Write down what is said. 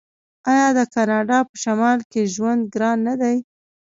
آیا د کاناډا په شمال کې ژوند ګران نه دی؟